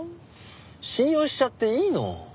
信用しちゃっていいの？